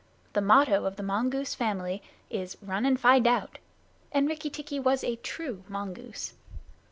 The motto of all the mongoose family is "Run and find out," and Rikki tikki was a true mongoose.